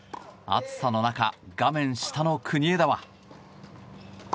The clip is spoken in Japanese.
暑さの中、画面下の国枝は。